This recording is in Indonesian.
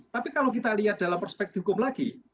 tapi kalau kita lihat dalam perspektif hukum lagi